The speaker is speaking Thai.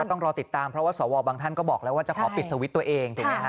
ต้องรอติดตามเพราะว่าสวบางท่านก็บอกแล้วว่าจะขอปิดสวิตช์ตัวเองถูกไหมฮะ